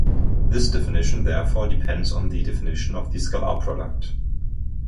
This definition therefore depends on the definition of the scalar product.